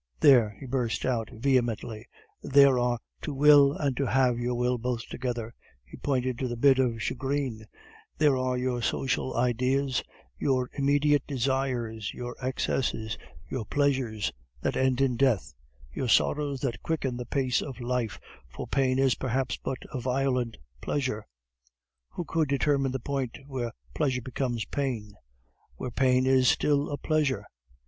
There," he burst out, vehemently, "there are To Will and To have your Will, both together," he pointed to the bit of shagreen; "there are your social ideas, your immoderate desires, your excesses, your pleasures that end in death, your sorrows that quicken the pace of life, for pain is perhaps but a violent pleasure. Who could determine the point where pleasure becomes pain, where pain is still a pleasure?